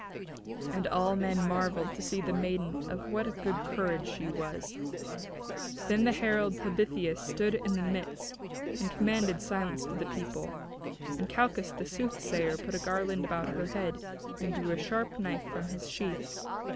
And all men marvelled to see the maiden of what a good courage she was. Then the herald Talthybius stood in the midst and commanded silence to the people; and Calchas the soothsayer put a garland about her head, and drew a sharp knife from his sheath.